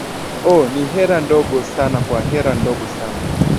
ona ni hera ndogo sana kwa hera ndogo sana